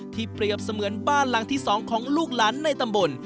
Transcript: เปรียบเสมือนบ้านหลังที่๒ของลูกหลานในตำบล